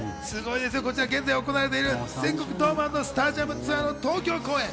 こちらは現在行われている全国ドーム＆スタジアムツアーの東京公演。